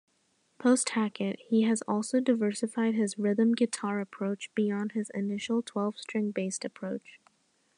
Post-Hackett, he has also diversified his rhythm guitar approach beyond his initial twelve-string-based approach.